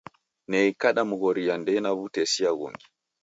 Neikadomghorea ndena w'utesia ghungi